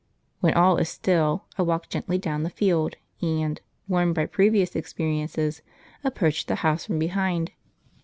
When all is still I walk gently down the field, and, warned by previous experiences, approach the house from behind.